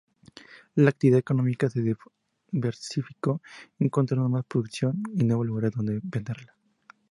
La actividad económica se diversificó encontrando más producción y nuevos lugares dónde venderla.